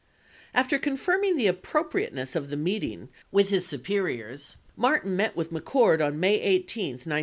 11 After confirming the appropriateness of the meeting with his su periors, Martin met with McCord on May 18, 1972.